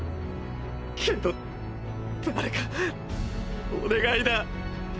けど誰かお願いだ。